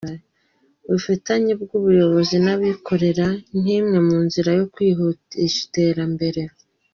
Ubufatanye bw’Ubuyobozi n’Abikorera nk’imwe mu nzira yo kwihutisha iterambere